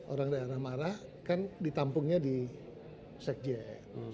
orang daerah marah kan di tampungnya di sekjen